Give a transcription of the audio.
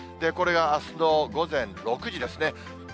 これがあすの午前６時ですね。